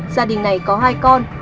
gia đình này có hai con